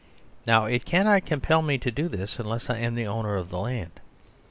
Now it cannot compel me to do this unless I am the owner of the land.